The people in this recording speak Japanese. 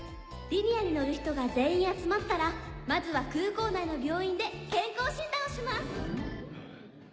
リニアに乗る人が全員集まったらまずは空港内の病院で健康診断をします！